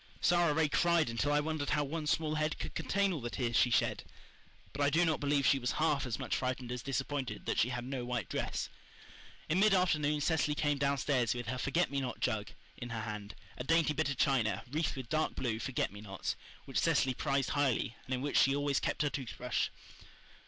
Sara Ray cried until I wondered how one small head could contain all the tears she shed. But I do not believe she was half as much frightened as disappointed that she had no white dress. In mid afternoon Cecily came downstairs with her forget me not jug in her hand a dainty bit of china, wreathed with dark blue forget me nots, which Cecily prized highly, and in which she always kept her toothbrush.